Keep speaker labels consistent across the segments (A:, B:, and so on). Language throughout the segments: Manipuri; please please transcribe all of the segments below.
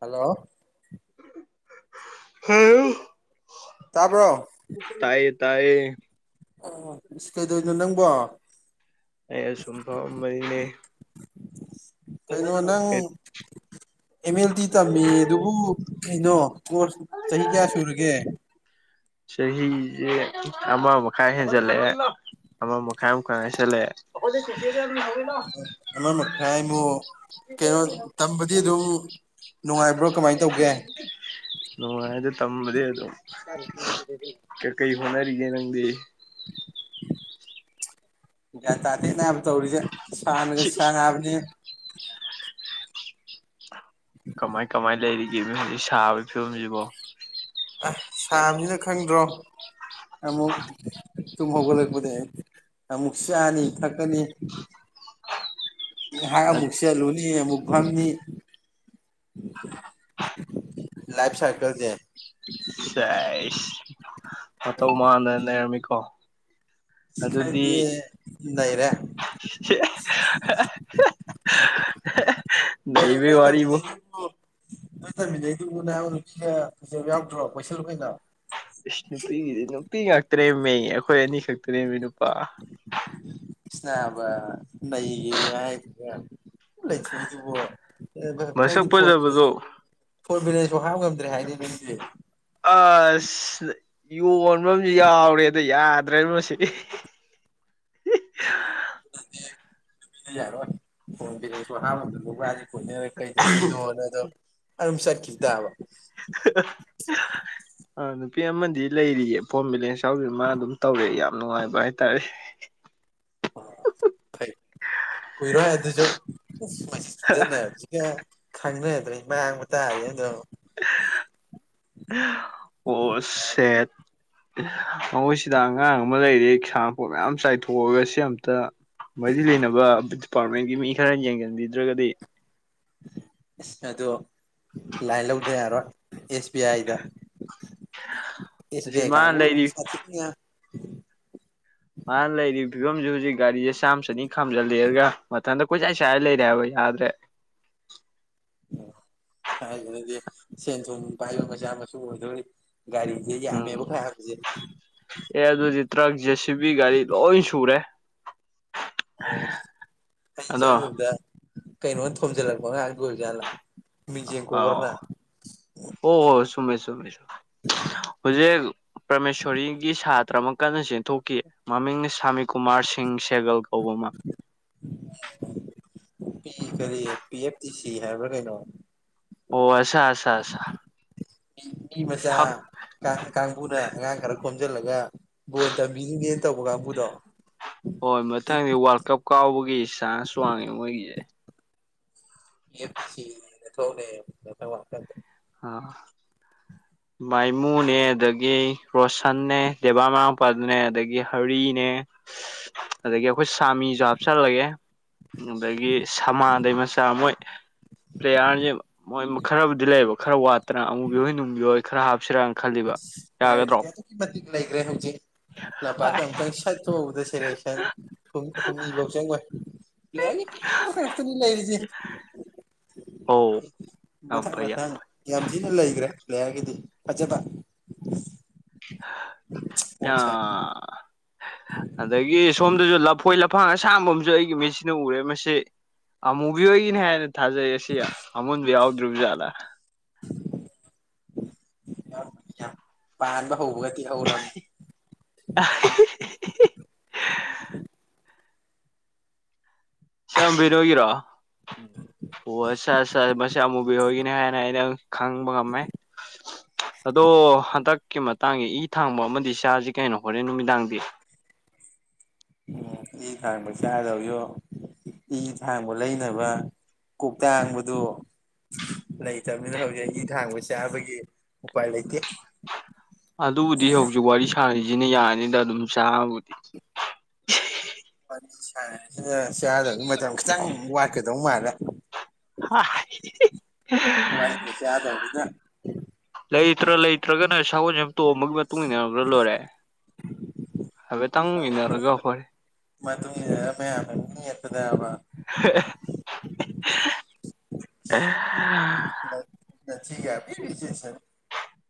A: ꯍꯜꯂꯣ
B: ꯍꯜꯂꯣ
A: ꯇꯥꯕ꯭ꯔꯣ
B: ꯇꯥꯏꯌꯦ ꯇꯥꯏꯌꯦ
A: ꯏꯁ ꯀꯩꯗꯧꯅꯣ ꯅꯪꯕꯣ
B: ꯑꯩ ꯑꯁꯨꯝ ꯐꯥꯃꯝꯕꯅꯤꯅꯦ
A: ꯀꯩꯅꯣ ꯅꯪ
B: [unintelligible]
A: ꯑꯦꯝ ꯑꯦꯜ ꯇꯤꯗꯤ ꯇꯝꯃꯤ ꯑꯗꯨꯕꯨ ꯀꯩꯅꯣ ꯀꯣꯔꯁ ꯆꯍꯤ ꯀꯌꯥ ꯁꯨꯔꯒꯦ
B: ꯆꯍꯤꯁꯦ ꯑꯃ ꯃꯈꯥꯏ ꯍꯦꯟꯖꯜꯂꯛꯑꯦ ꯑꯃ ꯃꯥ ꯀꯕꯝꯀꯥꯟꯗꯒꯤ ꯆꯠꯂꯦ
A: ꯑꯃ ꯃꯈꯥꯏꯃꯨꯛ ꯀꯩꯅꯣ ꯇꯝꯕꯗꯤ ꯑꯗꯨꯝ
B: [unintelligible]
A: ꯅꯨꯡꯉꯥꯏꯕ꯭ꯔꯣ ꯀꯃꯥꯏꯅ ꯇꯧꯒꯦ
B: ꯂꯣꯏꯔꯦ ꯑꯗꯩ ꯇꯝꯕꯗꯤ ꯑꯗꯨꯝ ꯀꯩ ꯀꯩ ꯍꯣꯠꯅꯔꯤꯒꯦ ꯅꯪꯗꯤ
A: ꯒ꯭ꯌꯥꯟ ꯇꯥꯗꯦꯗ ꯅꯕ ꯇꯧꯔꯤꯁꯦ ꯁꯥꯅꯒ ꯁꯥꯕꯅꯦ
B: ꯀꯃꯥꯏ ꯀꯃꯥꯏ ꯂꯩꯔꯤꯒꯦ ꯅꯣꯏ ꯍꯧꯖꯤꯛ ꯁꯥꯕꯩ ꯐꯤꯕꯝꯁꯤꯕꯣ
A: ꯑꯦ ꯁꯥꯕꯅꯤꯅ ꯈꯪꯗ꯭ꯔꯣ ꯑꯃꯨꯛ ꯇꯨꯝ ꯍꯧꯒꯠꯂꯛꯄꯗꯩ ꯑꯃꯨꯛ ꯆꯥꯅꯤ ꯊꯛꯀꯅꯤ ꯉꯩꯍꯥꯛ ꯑꯃꯨꯛ ꯆꯠꯂꯨꯅꯤ ꯑꯃꯨꯛ ꯐꯝꯅꯤ ꯂꯥꯏꯐ ꯁꯔꯀꯜꯁꯦ
B: ꯁꯦꯁ ꯃꯇꯧ ꯃꯥꯟꯗꯅ ꯅꯩꯔꯝꯃꯤꯀꯣ ꯑꯗꯨꯗꯤ
A: ꯈꯔꯗꯤ ꯂꯩꯔꯦ
B: ꯁꯤꯌꯦ ꯍꯥ ꯍꯥ [unintelligible]
A: ꯀꯩꯗꯧꯕꯩꯅꯣ ꯍꯪꯅꯩꯗꯨꯕꯨ ꯅꯣꯏ ꯇꯝꯃꯤꯟꯅꯩꯗꯨꯕꯨ ꯅꯥꯕ ꯅꯨꯄꯤꯒ ꯐꯖꯕ ꯌꯥꯎꯗ꯭ꯔꯣ ꯀꯣꯁꯜꯂꯨ ꯀꯩꯅꯣ
B: ꯏꯁ ꯅꯨꯄꯤꯒꯤꯗꯤ ꯅꯨꯄꯤ ꯉꯥꯛꯇꯅꯦꯃꯤ ꯑꯩꯈꯣꯏ ꯑꯅꯤ ꯈꯛꯇꯅꯦꯃꯤ ꯅꯨꯄꯥ
A: ꯏꯁ ꯅꯥꯕ ꯅꯩꯒꯦꯗꯤ ꯍꯥꯏꯗ꯭ꯔꯒ ꯂꯩꯊꯣꯛꯏꯗꯨꯕꯣ ꯅ
B: ꯃꯁꯛ
A: ꯅꯪꯗꯤ ꯐꯣꯟ ꯕꯦꯂꯦꯟꯁꯁꯨ
B: ꯐꯖꯕꯗꯣ
A: ꯐꯣꯟ ꯕꯦꯂꯦꯟꯁ ꯄꯣꯛ ꯍꯥꯞ ꯉꯝꯗ꯭ꯔꯦ ꯍꯥꯏꯅꯦ ꯅꯪꯗꯤ
B: ꯑꯁ ꯌꯣꯟꯕꯝꯁꯨ ꯌꯥꯎꯔꯦꯗ ꯌꯥꯗ꯭ꯔꯦ ꯃꯁꯤ [inaudible]
A: ꯑꯗꯨꯗꯤ ꯌꯥꯔꯣꯏ ꯐꯣꯟ ꯕꯦꯂꯦꯟꯁꯐꯧ ꯍꯥꯞ ꯉꯝꯗꯕ ꯅꯨꯄꯥꯗꯤ ꯀꯣꯏꯅꯔ ꯀꯩꯗꯧꯗꯣꯏꯅꯣꯅ ꯑꯗꯨꯝ ꯑꯝ ꯆꯠꯈꯤ ꯇꯥꯕ
B: ꯑ ꯅꯨꯄꯤ ꯑꯃꯗꯤ ꯂꯩꯔꯤꯌꯦ ꯐꯣꯟ ꯕꯤꯂꯦꯟꯁ ꯌꯥꯎꯗ꯭ꯔ ꯃꯥ ꯑꯗꯨꯝ ꯇꯧꯔꯛꯑꯦ ꯌꯥꯝ ꯅꯨꯡꯉꯥꯏꯕ ꯍꯥꯏꯇꯥꯔꯦ
A: ꯑꯣ ꯐꯩ ꯀꯨꯏꯔꯣꯏ ꯑꯗꯨꯖꯨ ꯃꯁꯤ ꯆꯨꯗꯠꯅꯕꯖꯤꯒ ꯈꯪꯅ [unintelligible]
B: [unintelligible] ꯑꯣ ꯁꯦꯠ ꯃꯣꯏꯁꯤꯗ ꯑꯉꯥꯡ ꯑꯃ ꯂꯩꯔꯦ ꯁꯥꯅꯄꯣꯠ ꯃꯌꯥꯝ ꯆꯥꯏꯊꯣꯛꯑꯒ ꯁꯤ ꯑꯝꯇ ꯃꯔꯤ ꯂꯩꯅꯕ ꯗꯤꯄꯥꯔꯠꯃꯦꯟꯒꯤ ꯃꯤ ꯈꯔ ꯌꯦꯡꯖꯟꯕꯤꯗ꯭ꯔꯒꯗꯤ
A: ꯏꯁ ꯑꯗꯣ ꯂꯥꯏꯟ ꯂꯧꯗ ꯌꯥꯔꯣꯏ ꯑꯦꯁ ꯕꯤ ꯑꯥꯏꯗ
B: [unintelligible] ꯑꯁꯤ
A: ꯑꯦꯁ_ꯕꯤ_ꯑꯥꯏ
B: ꯃꯥꯅ
A: ꯀꯥꯡꯒꯨ
B: ꯂꯩꯔꯤ
A: ꯁꯥꯠꯊꯤꯝꯅꯤꯌꯥ
B: ꯃꯥꯅ ꯂꯩꯔꯤ ꯐꯤꯕꯝꯁꯦ ꯍꯨꯖꯤꯛ ꯒꯥꯔꯤꯁꯦ ꯆꯥꯝ ꯆꯅꯤ ꯈꯥꯝꯖꯜꯂꯦꯔꯒ ꯃꯊꯟꯗ ꯀꯣꯏꯆꯥꯏ ꯆꯥꯏꯔ ꯂꯩꯔꯦ ꯍꯥꯏꯕ ꯌꯥ ꯌꯥꯗ꯭ꯔꯦ
A: ꯑꯣ ꯍꯥꯏꯗꯨꯅꯗꯤ ꯁꯦꯟ ꯊꯨꯝ ꯄꯥꯏꯕ ꯃꯆꯥ ꯃꯁꯨꯨ ꯑꯣꯏꯗꯣꯔꯤ ꯒꯥꯔꯤꯁꯦ
B: ꯎꯝ
A: ꯌꯥꯝꯃꯦꯕ ꯈꯥꯏꯔꯛꯄꯁꯦ
B: ꯑꯦ ꯑꯗꯨꯗꯤ ꯇ꯭ꯔꯛ ꯖꯦꯁꯤꯕꯤ ꯒꯥꯔꯤ ꯂꯣꯏ ꯁꯨꯔꯦ
A: [unintelligible]
B: ꯑꯗꯣ
A: ꯀꯩꯅꯣꯅ ꯊꯣꯝꯖꯜꯂꯛꯄ ꯑꯉꯥꯡꯗꯨ ꯑꯣꯏꯔꯤꯖꯥꯠꯂꯥ
B: ꯑꯥꯎ ꯍꯣ ꯍꯣ ꯆꯨꯝꯃꯦ ꯆꯨꯝꯃꯦ ꯆꯨꯝ ꯍꯧꯖꯤꯛ ꯄ꯭ꯔꯃꯦꯁꯣꯔꯤꯒꯤ ꯁꯥꯇ꯭ꯔ ꯑꯃ ꯀꯟꯅ ꯆꯦꯟꯊꯣꯛꯈꯤ ꯃꯃꯤꯡꯅ ꯁꯥꯃꯤꯀꯨꯃꯥꯔ ꯁꯤꯡ ꯁꯦꯒꯜ ꯀꯧꯕ ꯑꯃ
A: ꯄꯤ ꯀꯔꯤ ꯄꯤ ꯑꯦꯐ ꯇꯤ ꯁꯤ ꯍꯥꯏꯕ꯭ꯔꯥ ꯀꯩꯅꯣ
B: ꯍꯣ ꯑꯁ
A: [unintelligible] ꯃꯤ ꯃꯆꯥ
B: ꯑꯠꯆꯥ
A: ꯀꯥꯡ ꯀꯥꯡꯕꯨꯅ ꯑꯉꯥꯡ ꯈꯔ ꯈꯣꯝꯖꯤꯜꯂꯒ ꯕꯣꯟ ꯇꯝꯕꯤꯔꯤꯅꯦ ꯇꯧꯕ ꯀꯥꯡꯕꯨꯗꯣ
B: ꯍꯣꯏ ꯃꯊꯪꯗꯤ ꯋꯥꯔꯜ ꯀꯞ ꯀꯥꯎꯕꯒꯤ ꯆꯥꯟꯁ ꯋꯥꯡꯉꯦ ꯃꯣꯏꯒꯤꯁꯦ
A: [unintelligible]
B: ꯑꯥ ꯃꯥꯏꯃꯨꯅꯦ ꯑꯗꯒꯤ ꯔꯣꯁꯟꯅꯦ ꯗꯦꯕꯥ ꯃꯅꯥꯎꯄꯥ ꯗꯨꯅꯦ ꯑꯗꯒꯤ ꯍꯔꯤ ꯅꯦ ꯑꯗꯒꯤ ꯑꯩꯈꯣꯏ ꯁꯥꯃꯤꯁꯨ ꯍꯥꯞꯆꯜꯂꯒꯦ ꯑꯗꯒꯤ ꯁꯃꯥꯟꯗꯩ ꯃꯆꯥ ꯃꯣꯏ ꯄ꯭ꯂꯦꯌꯥꯔꯁꯦ ꯃꯣꯏ ꯈ꯭ꯔꯕꯨꯗꯤ ꯂꯩꯌꯦꯕ ꯈ꯭ꯔ ꯋꯥꯠꯇꯅ ꯑꯃꯨꯕꯤꯍꯣꯏ ꯅꯨꯡꯒꯤꯍꯣꯏ ꯈ꯭ꯔ ꯍꯥꯞꯁꯤꯔꯎ
A: ꯏꯁ [unintelligible] ꯂꯩꯒ꯭ꯔꯦ ꯍꯧꯖꯤꯛ ꯂꯝꯄꯥꯛꯇ ꯑꯃꯨꯛꯇꯪ ꯁꯠꯊꯣꯛꯎꯕꯗ ꯁꯦꯂꯦꯛꯁꯟ ꯍꯨꯝ ꯍꯨꯝꯅꯤ ꯕꯥꯎ ꯆꯪꯉꯣꯏ ꯄ꯭ꯂꯦꯌ꯭ꯔꯒꯤ ꯄ꯭ꯂꯦꯌ꯭ꯔ ꯉꯥꯛꯇꯅꯤ ꯂꯩꯔꯤꯖꯦ
B: ꯑꯧ ꯌꯥꯝ
A: ꯃꯊꯪ
B: ꯐꯩ ꯌꯥꯝ
A: ꯃꯊꯪ ꯌꯥꯝ ꯊꯤꯅ ꯂꯩꯒ꯭ꯔꯦ ꯄ꯭ꯂꯦꯌꯥ꯭ꯔꯒꯤꯗꯤ ꯐꯖꯗ
B: ꯌꯥ ꯑꯗꯒꯤ ꯁꯣꯝꯗꯁꯨ ꯂꯐꯣꯏ ꯂꯐꯥꯡ ꯑꯁꯥꯡꯕ ꯑꯃꯁꯨ ꯑꯩꯒꯤ ꯃꯤꯠꯁꯤꯅ ꯎꯔꯦ ꯃꯁꯤ ꯑꯃꯨꯕꯤ ꯍꯣꯏꯒꯤꯅꯦ ꯍꯥꯏꯅ ꯊꯥꯖꯩ ꯑꯁꯤ ꯑꯃꯨꯟꯕ ꯌꯥꯎꯗ꯭ꯔꯤꯕ ꯖꯥꯠꯂ
A: [inaudible] ꯄꯥꯟꯕ ꯍꯧꯕꯒ ꯇꯦꯛꯍꯧꯔꯝꯅꯤ [inaudible]
B: [unintelligible] ꯑꯣ ꯑꯁꯥ ꯑꯁꯥ ꯃꯁꯤ ꯑꯃꯨꯕꯤ ꯍꯣꯏꯒꯤꯅꯦ ꯍꯥꯏꯅ ꯑꯩꯅ ꯈꯪꯕ ꯉꯝꯃꯦ ꯑꯗꯣ ꯍꯟꯗꯛꯀꯤ ꯃꯇꯥꯡꯒꯤ ꯏ ꯊꯥꯡꯕ ꯑꯃꯗꯤ ꯆꯥꯁꯤ ꯀꯦꯅꯣ ꯍꯣꯔꯦꯟ ꯅꯨꯃꯤꯗꯥꯡꯗꯤ
A: ꯎꯝ ꯏ ꯊꯥꯡꯕ ꯆꯗꯧꯁꯨ ꯏ ꯊꯥꯡꯕ ꯂꯩꯅꯕ ꯀꯣꯛ ꯇꯥꯡꯕꯗꯨ ꯂꯩꯇꯕꯅꯤꯅ ꯍꯧꯖꯤꯛ ꯏ ꯊꯥꯡꯕ ꯆꯥꯕꯒꯤ ꯎꯄꯥꯏ ꯂꯩꯇꯦ
B: ꯑꯗꯨꯕꯨꯗꯤ ꯍꯧꯖꯤꯛ ꯋꯥꯔꯤ ꯁꯥꯔꯤꯁꯤꯅ ꯌꯥꯅ ꯅꯤꯗ ꯑꯗꯨꯝ ꯆꯥꯕꯕꯨꯗꯤ
A: [unintelligible] ꯃꯇꯝ ꯈꯤꯇꯪ ꯋꯥꯠꯀꯗꯧ ꯃꯥꯜꯂꯦ
B: ꯍꯥ ꯍꯥ ꯍꯤ ꯍꯤ
A: ꯋꯥꯔꯤꯁꯦ
B: ꯍꯤ
A: ꯆꯥꯗꯕꯅꯤꯅ
B: ꯂꯩꯇ꯭ꯔ ꯂꯩꯇ꯭ꯔꯒꯅ ꯁꯥꯒꯣꯟꯁꯦꯝ ꯇꯣꯝꯕꯒꯤ ꯃꯇꯨꯡ ꯏꯟꯅꯒ꯭ꯔ ꯂꯣꯏꯔꯦ ꯇꯪ ꯏꯟꯅꯔꯒ ꯍꯣꯔꯦ
A: ꯃꯇꯨꯡ ꯏꯟꯅꯔ ꯃꯌꯥꯝꯅ ꯃꯨꯛ ꯅꯦꯠꯄꯗꯕ
B: [inaudible]
A: [unintelligible]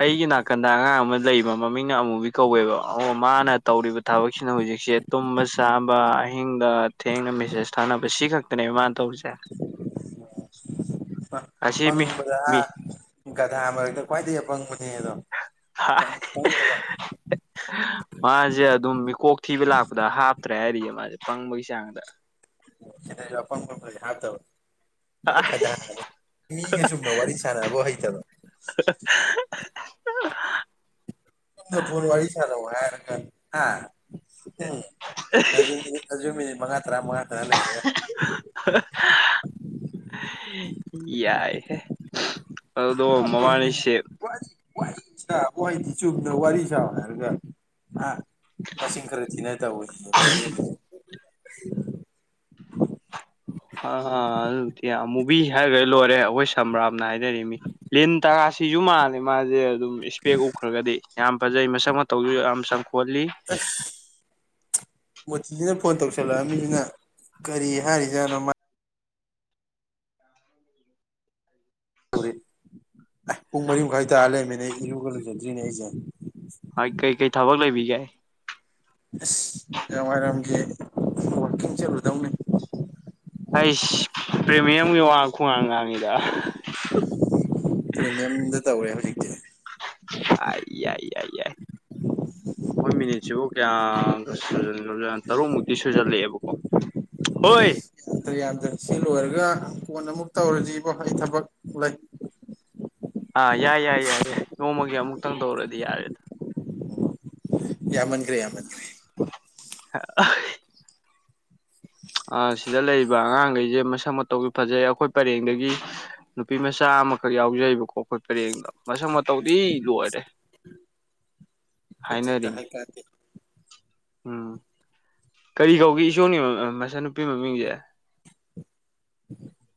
B: ꯑꯩꯒꯤ ꯅꯥꯀꯟꯗ ꯑꯉꯥꯡ ꯑꯃ ꯂꯩꯕ ꯃꯃꯤꯡꯅ ꯑꯃꯨꯕꯤ ꯀꯧꯋꯦꯕ ꯑꯣ ꯃꯥꯅ ꯇꯧꯔꯤꯕ ꯊꯕꯛꯁꯤꯅ ꯍꯨꯖꯤꯛ ꯏꯁꯦ ꯇꯨꯝꯕ ꯆꯥꯕ ꯑꯍꯤꯡꯗ ꯊꯦꯡꯅ ꯃꯦꯁꯦꯁ ꯊꯥꯅꯕ ꯁꯤ ꯈꯛꯇꯅꯦꯕ ꯃꯥꯅ ꯇꯧꯔꯤꯁꯦ [inaudible]
A: ꯄ
B: ꯑꯁꯤ ꯃꯤ
A: ꯄꯪꯕꯗ ꯍꯥ
B: ꯃꯤ
A: ꯒꯙꯥ ꯃꯔꯛꯇ ꯈ꯭ꯋꯥꯏꯗꯩꯩ ꯑꯄꯪꯕ ꯅꯦꯗꯣ ꯄꯪꯁꯨ ꯄꯪꯒ꯭ꯔꯕ
B: ꯃꯥꯖꯦ ꯑꯗꯨꯝ ꯃꯤꯀꯣꯛ ꯊꯤꯕ ꯂꯥꯛꯄꯗ ꯍꯥꯞꯇ꯭ꯔꯦ ꯍꯥꯏꯔꯤꯌꯦ ꯃꯥꯖꯦ ꯄꯪꯕꯒꯤ ꯆꯥꯡꯗ
A: ꯁꯤꯗꯖꯨ ꯑꯄꯪꯕ ꯑꯝ ꯂꯩ ꯍꯥꯞꯇꯕ ꯄꯨꯔꯥ ꯒꯙꯥ [unintelligible] ꯃꯤꯒ ꯆꯨꯝꯅ ꯋꯥꯔꯤ ꯁꯥꯟꯅꯕꯧ ꯍꯩꯇꯕ
B: [unintelligible]
A: ꯆꯨꯝꯅ ꯐꯣꯟ ꯋꯥꯔꯤ ꯁꯥꯟꯅꯧ ꯍꯥꯏꯔꯒ ꯍꯥ ꯎꯝ ꯑꯗꯨ ꯑꯗꯨ ꯃꯤꯅꯤꯠ ꯃꯉꯥ ꯇꯔꯥ ꯃꯉꯥ ꯇꯔꯥ ꯂꯩꯔꯒ
B: ꯌꯥꯏ ꯍꯦ
A: ꯄꯨꯔꯥ ꯑꯄꯪꯅꯤꯍꯦ ꯋꯥꯔꯤ ꯋꯥꯔꯤ ꯁꯥ ꯀꯣ ꯑꯩꯗꯤ ꯆꯨꯝꯅ ꯋꯥꯔꯤ ꯁꯥꯕꯅꯦ ꯍꯥꯏꯔꯒ ꯑꯥ ꯃꯁꯤꯡ ꯈꯔ ꯊꯤꯅ ꯇꯧꯋꯦꯌꯦ [unintelligible] [inaudible]
B: ꯑ ꯑ ꯑꯗꯨꯕꯨꯗꯤ ꯑꯃꯨꯕꯤ ꯍꯥꯏꯒ꯭ꯔ ꯂꯣꯏꯔꯦ ꯑꯈꯣꯏ ꯁꯝꯕ꯭ꯔꯥꯝꯅ ꯍꯥꯏꯅꯔꯤꯝꯃꯤ ꯂꯤꯟ ꯇꯒꯥ ꯁꯤꯖꯨ ꯃꯥꯜꯂꯦ ꯃꯥꯖꯦ ꯑꯗꯨꯝ ꯏꯁꯄꯦꯛ ꯎꯞꯈ꯭ꯔꯒꯗꯤ ꯌꯥꯝ ꯐꯖꯩ ꯃꯁꯛ ꯃꯇꯧꯖꯨ ꯌꯥꯝ ꯆꯪꯈꯣꯜꯂꯤ
A: ꯃꯣꯇꯤꯖꯤꯅ ꯐꯣꯟ ꯇꯧꯁꯜꯂꯛꯑꯝꯃꯤꯖꯤꯅ ꯀꯔꯤ ꯍꯥꯏꯔꯤꯖꯥꯠꯅꯣ ꯃꯥ ꯐꯨꯔꯤꯠ ꯑꯦ ꯄꯨꯡ ꯃꯔꯤ ꯃꯈꯥꯏ ꯇꯥꯔ ꯂꯩꯔꯝꯃꯦꯅꯦ ꯏꯔꯨꯒ ꯂꯨꯖꯗ꯭ꯔꯤꯅꯦ ꯑꯩꯖꯦ
B: ꯍꯣꯏ ꯀꯩꯀꯩ ꯊꯕꯛ ꯂꯩꯕꯤꯒꯦ
A: ꯑꯁ ꯅꯨꯡꯗꯥꯡꯋꯥꯏꯔꯝꯒꯤ ꯋꯥꯛꯀꯤꯡ ꯆꯠꯂꯨꯗꯧꯅꯤ
B: ꯑꯩꯁ ꯄ꯭ꯔꯦꯃꯤꯌꯝꯒꯤ ꯋꯥ ꯈꯨꯉꯥꯡ ꯉꯥꯡꯉꯤꯗꯥ
A: ꯄ꯭ꯔꯤꯃꯤꯌꯝꯗ ꯇꯧꯔꯦ ꯍꯧꯖꯤꯛꯇꯤ
B: ꯑꯥꯢ ꯌꯥꯏ ꯌꯥꯏ ꯌꯥꯏ ꯃꯣꯏ ꯃꯤꯅꯤꯠꯁꯤꯕꯨ ꯀꯌꯥ ꯒ ꯁꯨꯖꯟꯒ꯭ꯔꯕꯖꯥꯅꯣ ꯇꯔꯨꯛꯃꯨꯛꯇꯤ ꯁꯨꯖꯜꯂꯛꯑꯦꯕꯀꯣ ꯍꯣꯏ
A: ꯌꯥꯗ꯭ꯔꯦ ꯌꯥꯗ꯭ꯔꯦ ꯁꯤ ꯂꯣꯏꯔꯒ ꯀꯣꯟꯅ ꯑꯃꯨꯛ ꯇꯧꯔꯖꯤ ꯏꯕꯣ ꯑꯩ ꯊꯕꯛ ꯂꯩ
B: ꯑꯥ ꯌꯥꯏ ꯌꯥꯏ ꯌꯥꯏ ꯌꯥꯏ ꯅꯣꯡꯃꯒꯤ ꯑꯃꯨꯛꯇꯪ ꯇꯧꯔꯗꯤ ꯌꯥꯔꯦꯗ
A: ꯌꯥꯝꯃꯟꯒ꯭ꯔꯦ ꯌꯥꯝꯃꯟꯒ꯭ꯔꯦ
B: [unintelligible] ꯑꯥ ꯁꯤꯗ ꯂꯩꯔꯤꯕ ꯑꯉꯥꯡꯒꯩꯖꯦ ꯃꯁꯛ ꯃꯇꯧꯖꯨ ꯐꯖꯩ ꯑꯈꯣꯏ ꯄꯔꯦꯡꯗꯒꯤ ꯅꯨꯄꯤ ꯃꯆꯥ ꯑꯃꯈꯛ ꯌꯥꯎꯖꯩꯕꯀꯣ ꯑꯈꯣꯏ ꯄꯔꯦꯡꯗ ꯃꯁꯛ ꯃꯇꯧꯗꯤ ꯂꯣꯏꯔꯦ
A: ꯐꯠꯖꯗ ꯍꯥꯏ
B: ꯍꯥꯏꯅꯔꯤꯝꯅꯤ
A: ꯀꯥꯟꯗꯦ
B: ꯎꯝ ꯀꯔꯤ ꯀꯧꯒꯤ ꯢꯁꯣꯝꯒꯤ ꯅꯆꯟ ꯅꯨꯄꯤ ꯃꯃꯤꯡꯖꯦ
A: [inaudible]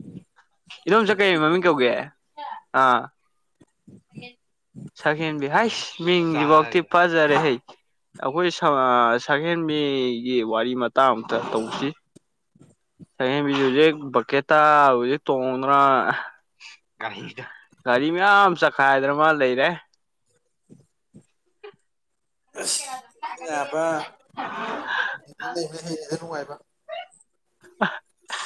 B: ꯏꯗꯣꯝꯆꯥ
A: ꯃꯆꯟꯅꯨꯄꯤ
B: ꯀꯩ ꯃꯃꯤꯡ ꯀꯧꯒꯦ
A: ꯃꯃꯤꯡꯗꯤ
B: ꯑꯥ ꯁꯛꯍꯦꯟꯕꯤ ꯍꯥꯏꯁ ꯃꯤꯡꯖꯤꯕꯥꯎꯇꯤ ꯐꯖꯔꯦꯍꯦ ꯑꯈꯣꯏ ꯁ ꯑꯥ ꯁꯛꯍꯦꯟꯕꯤꯒꯤ ꯋꯥꯔꯤ ꯃꯇꯥꯡ ꯑꯝꯇ ꯇꯧꯖꯤ ꯁꯛꯍꯦꯟꯕꯤꯖꯦ ꯍꯨꯖꯤꯛ ꯕꯀꯦꯠꯇꯥ ꯍꯨꯖꯤꯛ ꯇꯣꯡꯗꯅꯥ ꯒꯥꯔꯤꯒ ꯒꯥꯔꯤ ꯃꯌꯥꯝ ꯆꯈꯥꯏꯗꯅ ꯃꯥ ꯂꯩꯔꯦ
A: ꯑꯁ ꯅꯥꯕ ꯗꯤꯜꯂꯤ ꯂꯩꯕꯅ ꯍꯦꯜꯂꯤꯗ ꯅꯨꯡꯉꯥꯏꯕ
B: [unintelligible]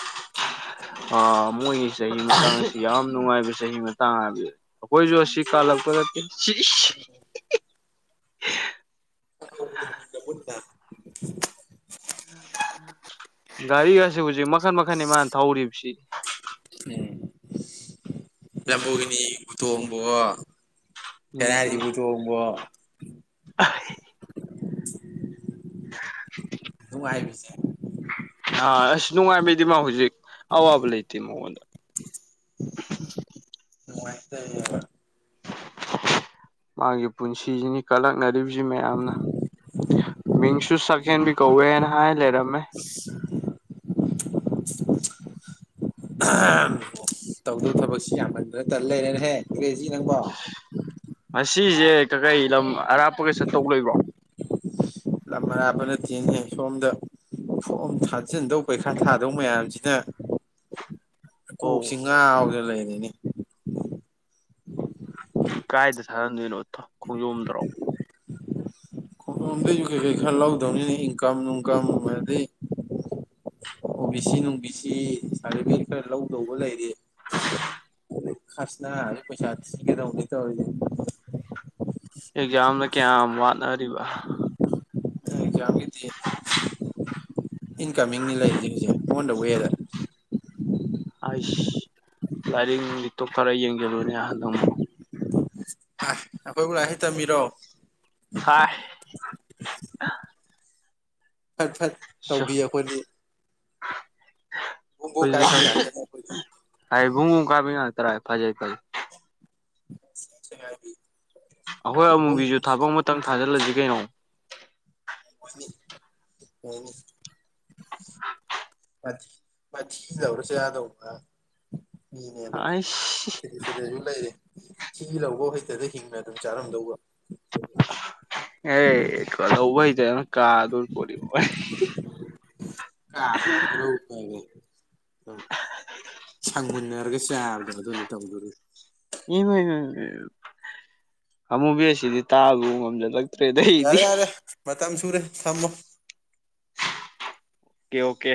B: ꯑꯥ ꯃꯣꯏꯒꯤ ꯆꯍꯤ ꯃꯇꯥꯡ ꯑꯁꯤ ꯌꯥꯝ ꯅꯨꯡꯉꯥꯏꯕ ꯆꯍꯤ ꯃꯇꯥꯡ ꯍꯥꯏꯕꯖꯦ ꯑꯈꯣꯏꯖꯨ ꯑꯁꯤ ꯀꯥꯜꯂꯛꯄ ꯅꯠꯇꯦ ꯁꯤꯢꯁ
A: [unintelligible]
B: ꯒꯥꯔꯤꯒꯁꯤ ꯍꯨꯖꯤꯛ ꯃꯈꯟ ꯃꯈꯟꯅꯤ ꯃꯥꯅ ꯊꯧꯔꯤꯕꯁꯤ
A: ꯂꯝꯕꯣꯔꯒꯤꯅꯤꯕꯨ ꯇꯣꯡꯕꯣꯋꯣ ꯐꯦꯔꯥꯔꯤ ꯕꯨ ꯇꯣꯡꯕꯋꯣ
B: ꯑ [unintelligible]
A: ꯅꯨꯡꯉꯥꯏꯕꯤꯁꯦ
B: ꯑꯥ ꯑꯁ ꯅꯨꯡꯉꯥꯏꯕꯤꯗꯤ ꯃꯥ ꯍꯧꯖꯤꯛ ꯑꯋꯥꯕ ꯂꯩꯇꯦ ꯃꯉꯣꯟꯗ
A: [unintelligible]
B: ꯃꯥꯒꯤ ꯄꯨꯟꯁꯤꯁꯤꯅꯤ ꯀꯜꯂꯛꯅꯔꯤꯕꯁꯤ ꯃꯌꯥꯝꯅ
A: [unintelligible]
B: ꯏꯁꯨ ꯁꯛꯍꯦꯟꯕꯤ ꯀꯧꯋꯦꯅ ꯍꯥꯏ ꯂꯩꯔꯝꯃꯦ
A: ꯑꯥꯝ ꯇꯧꯗꯧ ꯊꯕꯛꯁꯤ ꯌꯥꯝꯃꯟꯗꯅ ꯇꯟ ꯂꯩꯔꯦꯅꯦꯍꯦ ꯏꯔꯦꯁꯤ ꯅꯪꯕꯣ
B: ꯉꯥꯁꯤꯁꯦ ꯀꯀꯩ ꯂꯝ ꯑꯔꯥꯞꯄꯒ ꯆꯠꯇꯧꯕ ꯂꯩꯕ꯭ꯔꯣ
A: ꯂꯝ ꯑꯔꯥꯄ ꯅꯇꯦꯅꯦꯍꯦꯁꯣꯝꯗ ꯐꯣꯝ ꯊꯥꯖꯤꯟꯗꯧ ꯄꯩꯈꯥ ꯊꯥꯗꯧ ꯃꯌꯥꯝꯖꯤꯗ ꯀꯣꯛꯁꯤ
B: ꯑꯧ
A: ꯉꯥꯥꯎꯗꯅꯥ ꯂꯩꯔꯤꯅꯦ
B: ꯀꯥꯏꯗ ꯊꯥꯖꯟꯗꯣꯏꯅꯣ ꯈꯣꯡꯖꯣꯝꯗ꯭ꯔꯣ
A: ꯈꯣꯡꯂꯣꯝꯗꯩꯁꯨ ꯀꯩꯀꯩ ꯈꯔ ꯂꯧꯗꯧꯅꯤꯅ ꯏꯪꯀꯝ ꯅꯨꯡꯀꯝ ꯑꯗꯩ ꯑꯣ ꯕꯤ ꯁꯤ ꯅꯨꯡ ꯕꯤ ꯁꯤ ꯁꯥꯔꯇꯤꯐꯤꯀꯦꯠ ꯈꯔ ꯂꯧꯗꯧꯕ ꯂꯩꯔꯤ ꯈꯥꯁꯅ ꯄꯩꯁꯥ ꯊꯤꯒꯗꯕꯅꯦ ꯇꯧꯔꯤꯁꯦ
B: ꯑꯦꯛꯖꯥꯝꯅ ꯀꯌꯥꯝ ꯋꯥꯠꯅꯔꯤꯕ
A: ꯑꯦꯛꯖꯥꯝꯒꯤꯗꯤ ꯏꯟꯀꯝꯃꯤꯡꯅꯤ ꯂꯩꯔꯤꯁꯦ ꯑꯣꯟ ꯗ ꯋꯦꯗ
B: ꯑꯩꯁ ꯂꯥꯏꯔꯤꯡ ꯅꯨꯡꯂꯤꯛ ꯇꯣ ꯈꯔ ꯌꯦꯡꯖꯜꯂꯨꯅꯦ ꯍꯟꯗꯛꯃꯨꯛ
A: ꯑꯈꯣꯏꯕꯨ ꯂꯥꯏꯔꯤꯛ ꯍꯩꯇꯕ ꯃꯤꯔꯣ
B: ꯍ
A: ꯐꯠ ꯐꯠ ꯇꯧꯕꯤ ꯑꯩꯈꯣꯏꯗꯤ ꯕꯣꯝꯕꯣ ꯀꯥꯏꯕꯤ ꯉꯥꯛꯇꯅꯤ ꯑꯩꯈꯣꯏꯗꯤ ꯊꯤ
B: ꯍꯥꯏ ꯏꯕꯨꯡꯉꯣ ꯀꯥꯕꯤ ꯇꯔ [unintelligible] ꯐꯖꯩꯐꯖꯩ
A: ꯁꯦꯒꯥꯢꯕꯤ
B: ꯑꯩꯈꯣꯏ ꯑꯃꯨꯕꯤꯁꯨ ꯊꯥꯕꯛ ꯑꯃꯇꯪ ꯊꯥꯖꯤꯜꯂꯁꯤ ꯀꯩꯅꯣ
A: ꯑꯣ [unintelligible] ꯃꯊꯤ ꯃꯊꯤ ꯂꯧꯔ ꯆꯥꯗꯧꯕꯥ ꯃꯤꯅꯦ ꯑꯗꯨ
B: ꯑꯩꯁ
A: ꯐꯔꯤ ꯐꯔꯤ ꯑꯗꯨꯝ ꯂꯩꯔꯤ [unintelligible] ꯊꯤ ꯂꯧꯕꯧ ꯍꯩꯇꯒꯩ ꯍꯤꯡꯅ ꯑꯗꯨꯝ ꯆꯥꯔꯝꯗꯧꯕ
B: ꯌꯥꯔꯦ ꯀꯣ ꯂꯥꯎꯕ ꯍꯩꯇꯥꯗꯅꯅ ꯀꯥꯗꯣꯏꯄꯣꯠꯅꯤ
A: [unintelligible] ꯑ ꯁꯪꯃꯨꯟꯅꯔꯒ ꯆꯥꯕꯗꯣ ꯑꯗꯨꯅꯤ ꯇꯧꯗꯣꯔꯤ
B: ꯏꯃꯥꯢꯃꯩ ꯃꯩ ꯑꯃꯨꯕꯤ ꯑꯁꯤꯗꯤ ꯇꯥꯕ ꯉꯝꯖꯜꯂꯛ ꯐꯦꯗ ꯍꯩꯅꯤ
A: ꯌꯥꯔꯦ
B: [unintelligible]
A: ꯌꯥꯔꯦ ꯃꯇꯝ ꯁꯨꯔꯦ ꯊꯝꯃꯣ
B: ꯑꯣꯀꯦ ꯑꯣꯀꯦ